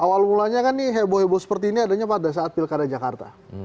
awal mulanya kan nih heboh heboh seperti ini adanya pada saat pilkada jakarta